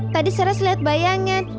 tadi saras lihat bayangan